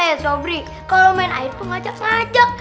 eh sobri kalau main air tuh ngajak ngajak